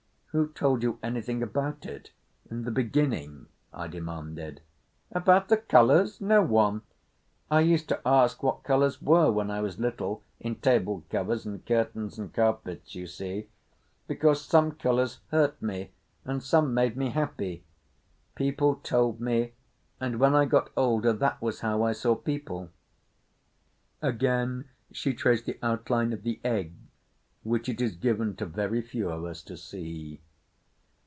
"Who told you anything about it—in the beginning?" I demanded. "About the colours? No one. I used to ask what colours were when I was little—in table covers and curtains and carpets, you see—because some colours hurt me and some made me happy. People told me; and when I got older that was how I saw people." Again she traced the outline of the Egg which it is given to very few of us to see.